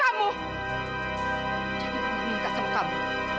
jadi mama minta sama kamu